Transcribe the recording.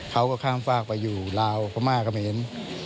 เขาก็ข้ามฝากไปอยู่ลาวพม่าก็ไม่เห็น